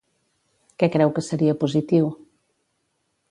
Què creu que seria positiu?